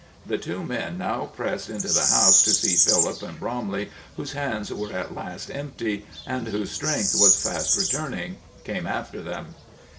The two men now pressed into the house to see Philip, and Bromley, whose hands were at last empty, and whose strength was fast returning, came after them.